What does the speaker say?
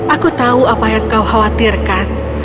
aku tahu apa yang kau khawatirkan